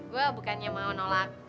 gue bukannya mau nolak